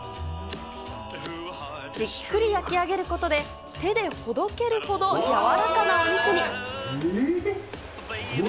じっくり焼き上げることで、手でほどけるほど軟らかなお肉に。